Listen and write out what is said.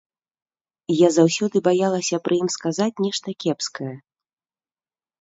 Я заўсёды баялася пры ім сказаць нешта кепскае.